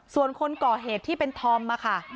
ส่วนคนก่อเหตุที่เป็นธอมมาค่ะ